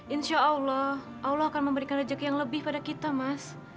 insya allah allah akan memberikan rezeki yang lebih pada kita mas